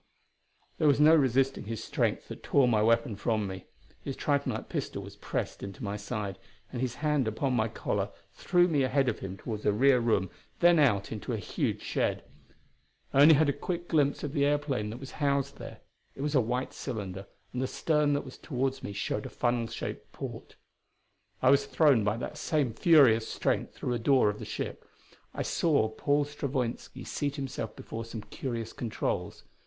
There was no resisting his strength that tore my weapon from me. His tritonite pistol was pressed into my side, and his hand upon my collar threw me ahead of him toward a rear room, then out into a huge shed. I had only a quick glimpse of the airplane that was housed there. It was a white cylinder, and the stern that was toward me showed a funnel shaped port. I was thrown by that same furious strength through a door of the ship; I saw Paul Stravoinski seat himself before some curious controls.